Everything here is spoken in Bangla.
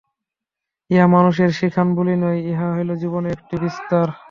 ইহা মানুষের শিখান বুলি নয়, ইহা হইল জীবনের একটি বিস্তার।